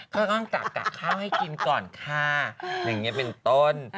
ก็ต้องกะข้าวให้กินก่อนค่ะอย่างนี้เป็นต้น